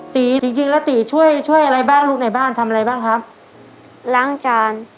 ตีจริงจริงแล้วตีช่วยช่วยอะไรบ้างลูกในบ้านทำอะไรบ้างครับล้างจาน